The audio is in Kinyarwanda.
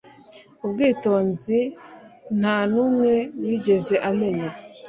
Ubwitonzi ntanumwe wigeze amenya